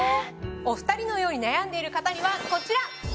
お２人のように悩んでいる方にはこちら！